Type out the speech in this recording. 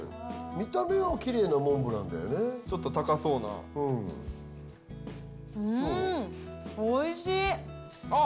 見た目はきれいなモンブランだよねちょっと高そうなうんうんあっ！